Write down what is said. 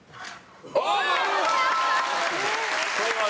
ああ、○！